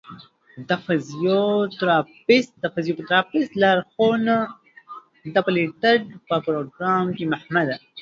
د فزیوتراپیست لارښوونه د پلي تګ په پروګرام کې مهمه ده.